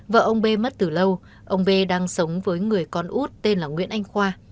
vợ ông b mất từ lâu ông b đang sống với người con út tên là nguyễn anh khoa